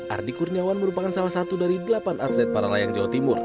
ardi kurniawan merupakan salah satu dari delapan atlet para layang jawa timur